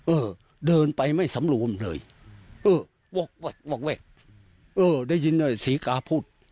เออเดินไปไม่สำรวมเลยได้ยินสีกาพูด